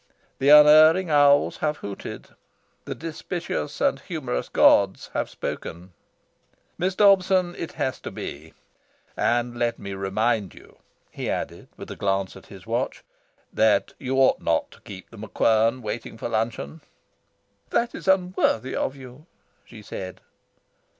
"The unerring owls have hooted. The dispiteous and humorous gods have spoken. Miss Dobson, it has to be. And let me remind you," he added, with a glance at his watch, "that you ought not to keep The MacQuern waiting for luncheon." "That is unworthy of you," she said.